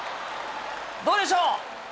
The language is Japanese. どうでしょう？